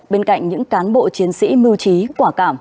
bên cạnh những cán bộ chiến sĩ mưu trí quả cảm